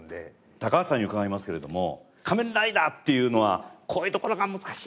高橋さんに伺いますけれども『仮面ライダー』っていうのはこういうところが難しい